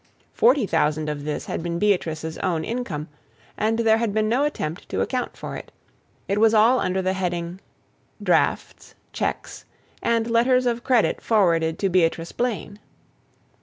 Forty thousand of this had been Beatrice's own income, and there had been no attempt to account for it: it was all under the heading, "Drafts, checks, and letters of credit forwarded to Beatrice Blaine."